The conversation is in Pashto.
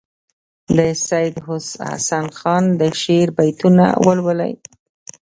د سیدحسن خان د شعر بیتونه ولولي.